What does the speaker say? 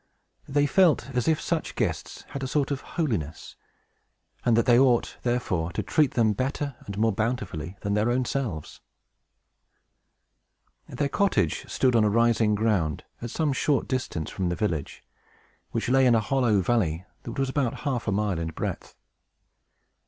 They felt as if such guests had a sort of holiness, and that they ought, therefore, to treat them better and more bountifully than their own selves. Their cottage stood on a rising ground, at some short distance from a village, which lay in a hollow valley, that was about half a mile in breadth.